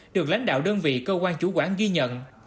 được lãnh đạo đơn vị cơ quan chủ quản ghi nhận